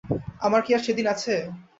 আমার কি আর সেদিন আছে।